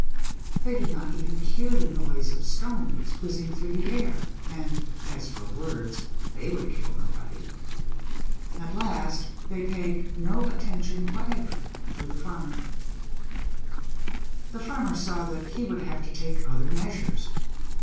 They did not even hear the noise of stones whizzing through the air, and as for words, they would kill nobody. At last they paid no attention whatever to the Farmer. The Farmer saw that he would have to take other measures.